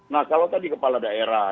nah kalau tadi kepala daerah